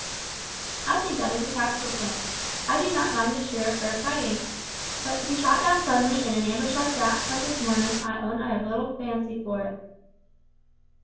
"I think that is a capital plan. I do not mind a share of fair fighting; but to be shot down suddenly in an ambush like that of this morning, I own I have little fancy for it."